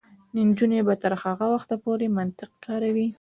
نجونې به تر هغه وخته پورې منطق کاروي.